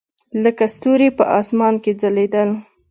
لکه ستوري په اسمان کښې ځلېدل.